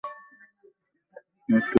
এ মতটি অত্যধিক দুর্বল।